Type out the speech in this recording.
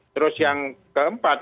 terus yang keempat